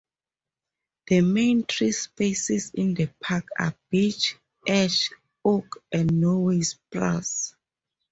The main tree species in the park are beech, ash, oak, and Norway spruce.